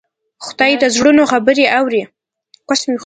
خدای د زړونو خبرې اوري.